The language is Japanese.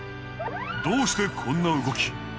どうしてこんな動き？